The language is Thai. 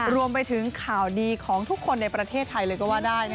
รวมไปถึงข่าวดีของทุกคนในประเทศไทยเลยก็ว่าได้